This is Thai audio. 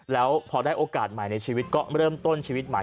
แล้วพอได้โอกาสใหม่ในชีวิตก็เริ่มต้นชีวิตใหม่